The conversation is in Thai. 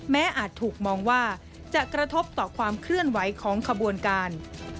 อาจถูกมองว่าจะกระทบต่อความเคลื่อนไหวของขบวนการ